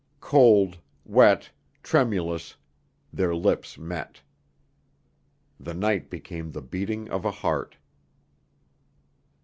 Cold, wet, tremulous, their lips met. The night became the beating of a heart.